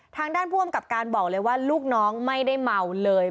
ทางด้านผู้อำกับการบอกเลยว่าลูกน้องไม่ได้เมาเลย